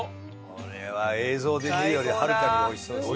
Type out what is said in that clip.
これは映像で見るよりはるかに美味しそうですね。